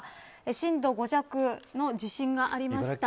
震度５弱の地震がありました。